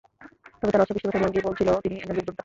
তবে তাঁর অশ্বপৃষ্ঠে বসার ভঙ্গিই বলছিল, তিনি একজন বীর যোদ্ধা।